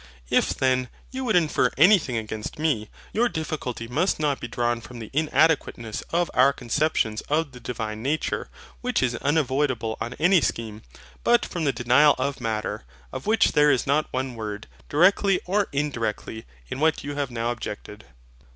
If then you would infer anything against me, your difficulty must not be drawn from the inadequateness of our conceptions of the Divine nature, which is unavoidable on any scheme; but from the denial of Matter, of which there is not one word, directly or indirectly, in what you have now objected.